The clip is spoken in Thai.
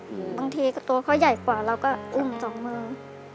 บางทีตัวเขาใหญ่กว่าเราก็อุ้มสองมือ